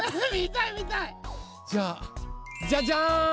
じゃあじゃじゃん！